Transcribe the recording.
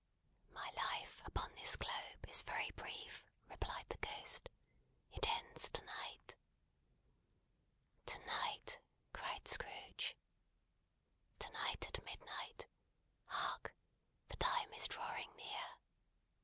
"My life upon this globe, is very brief," replied the Ghost. "It ends to night." "To night!" cried Scrooge. "To night at midnight. Hark! The time is drawing near."